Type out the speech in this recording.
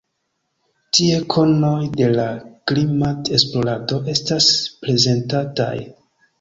Tie konoj de la klimat-esplorado estas prezentataj.